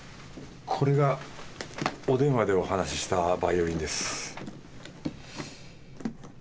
これがお電話でお話ししたバイオリンです。